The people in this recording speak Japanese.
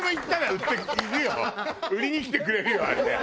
売りに来てくれるよあれ。